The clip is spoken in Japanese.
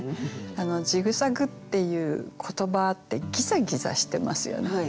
「ジグザグ」っていう言葉ってギザギザしてますよね。